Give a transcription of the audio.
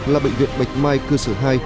là bệnh viện bạch mai cơ sở hai